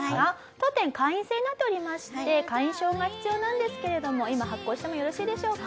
当店会員制になっておりまして会員証が必要なんですけれども今発行してもよろしいでしょうか？